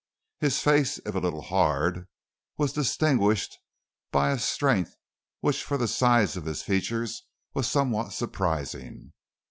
His face, if a little hard, was distinguished by a strength which for the size of his features was somewhat surprising.